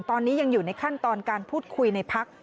ตอนนี้ยังอยู่ในขั้นตอนการพูดคุยในพัก